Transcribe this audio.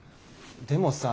でもさ。